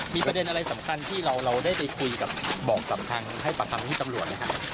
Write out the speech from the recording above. มีประเด็นอะไรสำคัญที่เราได้ไปคุยกับบอกกับทางให้ปากคำที่ตำรวจไหมครับ